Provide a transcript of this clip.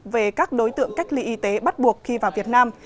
về các đối tượng cách ly y tế bắt buộc khi vào việt nam